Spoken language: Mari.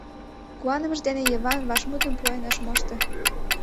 Куанымыж дене Йыван вашмутым пуэн ыш мошто.